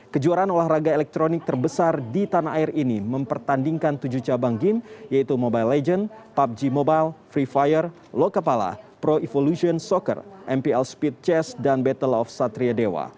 kejuaraan olahraga elektronik terbesar di tanah air ini mempertandingkan tujuh cabang game yaitu mobile legends pubg mobile free fire lokapala pro evolution soccer mpl speed chess dan battle of satria dewa